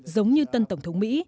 giống như tân tổng thống mỹ